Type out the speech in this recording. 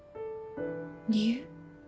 理由？